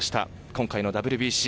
今回のＷＢＣ。